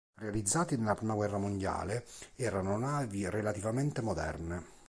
Realizzati nella Prima guerra mondiale erano navi relativamente moderne.